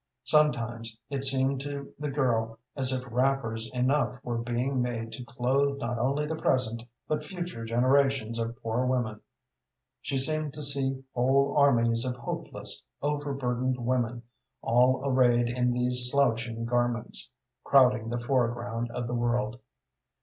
Sometimes it seemed to the girl as if wrappers enough were being made to clothe not only the present, but future generations of poor women. She seemed to see whole armies of hopeless, overburdened women, all arrayed in these slouching garments, crowding the foreground of the world.